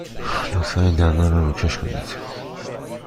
لطفاً این دندان را روکش کنید.